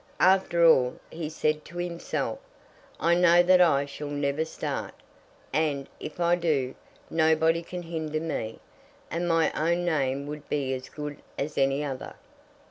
"After all," he said to himself, "I know that I shall never start; and, if I do, nobody can hinder me, and my own name would be as good as any other.